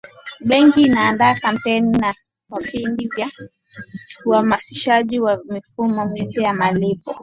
benki inaandaa kampeni na vipindi vya uhamasishaji wa mifumo mipya ya malipo